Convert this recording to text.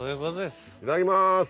いただきます